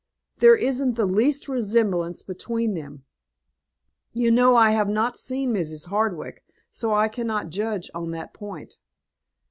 There isn't the least resemblance between them." "You know I have not seen Mrs. Hardwick, so I cannot judge on that point."